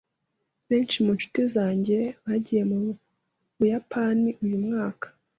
Benshi mu nshuti zanjye bagiye mu Buyapani uyu mwaka.